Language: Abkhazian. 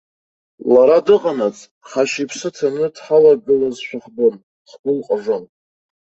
Лара дыҟанаҵ, ҳашьа иԥсы ҭаны дҳалагылазшәа ҳбон, ҳгәы лҟажон.